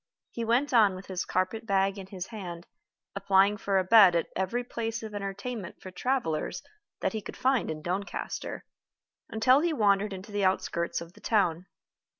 He went on with his carpet bag in his hand, applying for a bed at every place of entertainment for travelers that he could find in Doncaster, until he wandered into the outskirts of the town.